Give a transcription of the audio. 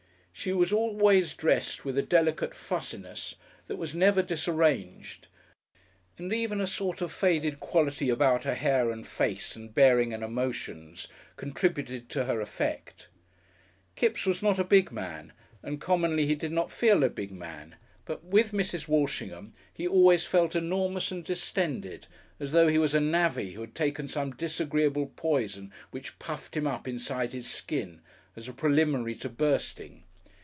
She was always dressed with a delicate fussiness that was never disarranged and even a sort of faded quality about her hair and face and bearing and emotions contributed to her effect. Kipps was not a big man, and commonly he did not feel a big man, but with Mrs. Walshingham he always felt enormous and distended, as though he was a navvy who had taken some disagreeable poison which puffed him up inside his skin as a preliminary to bursting.